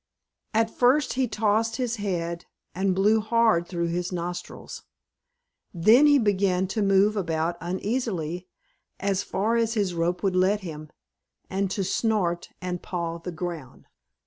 At first he tossed his head and blew hard through his nostrils; then he began to move about uneasily as far as his rope would let him, and to snort and paw the ground.